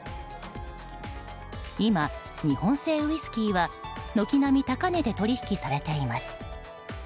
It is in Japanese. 今、日本製ウイスキーは軒並み高値で取引されています。